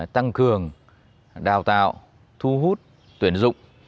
tăng cường đào tạo thu hút tuyển dụng